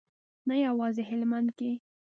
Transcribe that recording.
نه یوازې هلمند کې.